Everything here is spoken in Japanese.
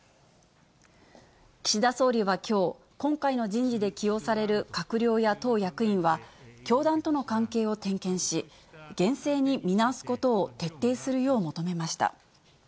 岸田総理はきょう、今回の人事で起用される閣僚や党役員は、教団との関係を点検し、厳正に見直すことを徹底するよう求めました。